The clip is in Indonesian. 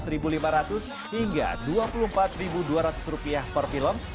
rp satu lima ratus hingga rp dua puluh empat dua ratus per film